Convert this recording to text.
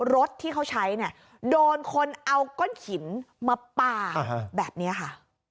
รถที่เขาใช้เนี่ยโดนคนเอาก้อนหินมาปลาแบบนี้ค่ะ